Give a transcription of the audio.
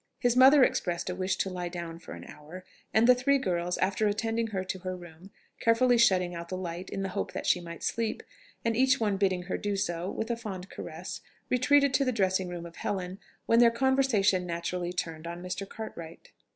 His mother expressed a wish to lie down for an hour; and the three girls, after attending her to her room, carefully shutting out the light in the hope that she might sleep, and each one bidding her do so, with a fond caress, retreated to the dressing room of Helen, when their conversation naturally turned on Mr. Cartwright.